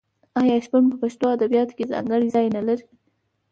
آیا شپون په پښتو ادبیاتو کې ځانګړی ځای نلري؟